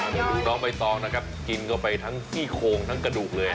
น้อยทำลองกินก็ไปทั้งที่โครงทั้งกระดูกเลยค่ะ